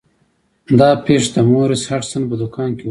دا پیښه د مورس هډسن په دکان کې وشوه.